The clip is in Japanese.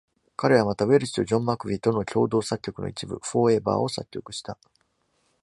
彼はまたウェルチとジョンマクヴィとの共同作曲の一曲 Forever を作曲した。